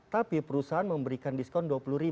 tapi perusahaan memberikan diskon dua puluh